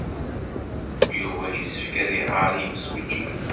Yuba yessefk ad iɣer i yimsujji.